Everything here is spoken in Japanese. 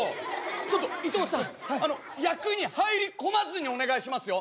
ちょっと伊藤さんあの役に入り込まずにお願いしますよ。